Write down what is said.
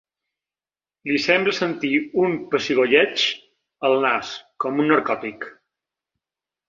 Li sembla sentir un pessigolleig al nas, com un narcòtic.